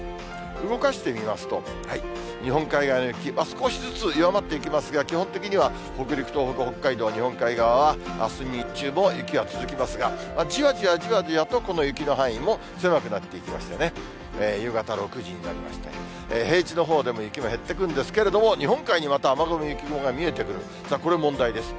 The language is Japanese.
動かしてみますと、日本海側の雪、少しずつ弱まっていきますが、基本的には北陸、東北、北海道、日本海側は、あす日中も雪が続きますが、じわじわじわじわと、この雪の範囲も狭くなっていきましてね、夕方６時になりまして、平地のほうでも雪も減ってくるんですけれども、日本海にまた雨雲、雪雲が見えてくる、これ問題です。